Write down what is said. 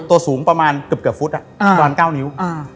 ตัวสูงประมาณเกือบฟุตประมาณ๙นิ้ว